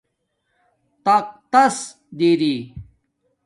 تختس دری